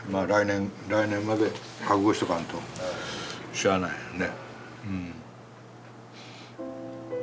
来年まで覚悟しとかんとしゃあないね。